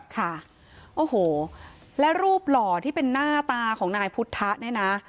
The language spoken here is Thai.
ค่ะโอ้โหและรูปหล่อที่เป็นหน้าตาของนายพุทธะเนี่ยนะ